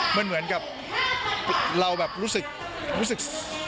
มันเหมือนกับเราแบบรู้สึก